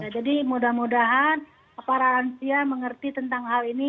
jadi mudah mudahan para lansia mengerti tentang hal ini